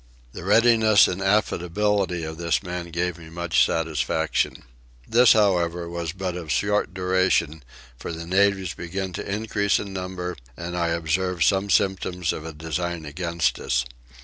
The readiness and affability of this man gave me much satisfaction. This however was but of short duration for the natives began to increase in number and I observed some symptoms of a design against us.